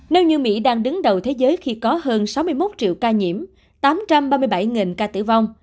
nếu như mỹ đang đứng đầu thế giới khi có hơn sáu mươi một triệu ca nhiễm tám trăm ba mươi bảy ca tử vong